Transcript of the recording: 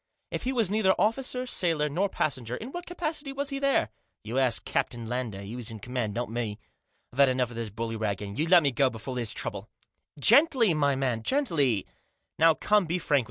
" If he was neither officer, sailor, nor passenger, in what capacity was he there ?" "You ask Captain Lander, he was in command, not me. I've had enough of this bullyragging. You let me go before there's trouble." " Gently, my man, gently ! Now, come, be frank Digitized by LUKE.